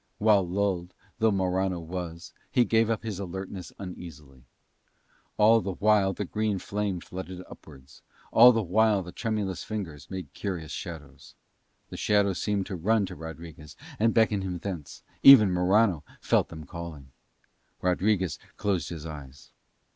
While lulled though Morano was he gave up his alertness uneasily. All the while the green flame flooded upwards: all the while the tremulous fingers made curious shadows. The shadow seemed to run to Rodriguez and beckon him thence: even Morano felt them calling. Rodriguez closed his eyes.